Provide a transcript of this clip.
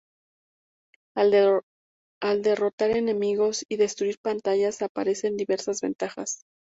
Al derrotar enemigos y destruir pantallas aparecen diversas ventajas.